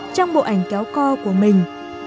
trong bộ ảnh kéo co của mình